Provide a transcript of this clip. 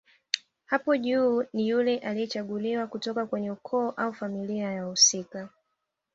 Hapo juu ni yule aliyechaguliwa kutoka kwenye ukoo au familia ya wahusika